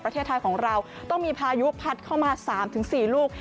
ประเทศไทยของเราต้องมีพายุพัดเข้ามา๓๔ลูก